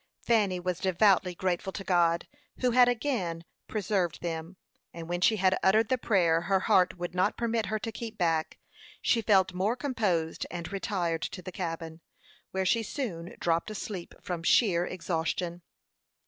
Fanny was devoutly grateful to God, who had again preserved them; and when she had uttered the prayer her heart would not permit her to keep back, she felt more composed, and retired to the cabin, where she soon dropped asleep from sheer exhaustion.